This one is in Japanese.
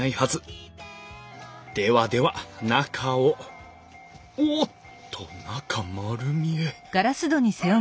ではでは中をおっと中丸見え。